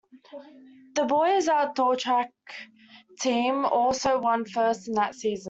The Boys' Outdoor Track team also won First in that season.